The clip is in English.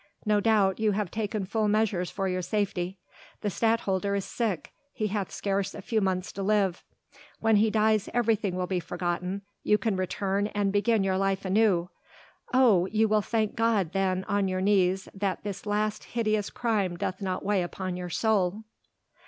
No doubt you have taken full measures for your safety. The Stadtholder is sick. He hath scarce a few months to live; when he dies everything will be forgotten, you can return and begin your life anew. Oh! you will thank God then on your knees, that this last hideous crime doth not weigh upon your soul."